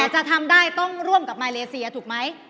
จะทำได้ต้องร่วมกับมาเลเซียถูกไหม